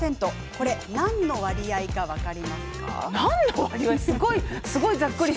これ、何の割合か分かりますか？